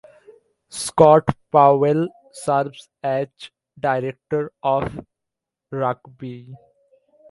Scott Powell serves as director of rugby.